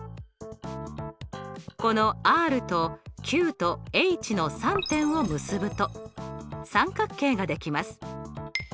このＲとＱとＨの３点を結ぶと三角形ができます。